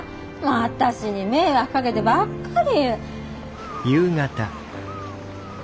私に迷惑かけてばっかり。